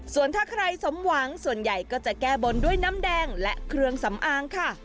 ส่วนถ้าใครสมหวังส่วนใหญ่ก็จะแก้บนด้วยน้ำแดงและเครื่องสำอางค่ะ